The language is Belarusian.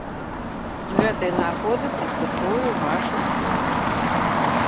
З гэтай нагоды працытую вашы словы.